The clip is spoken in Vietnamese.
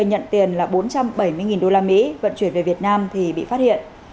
nhận tiền là bốn trăm bảy mươi đô la mỹ vận chuyển về việt nam thì bị phát hiện